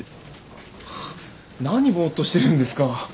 何ぼっとしてるんですか。